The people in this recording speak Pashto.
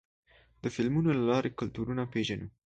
د فلمونو له لارې کلتورونه پېژنو.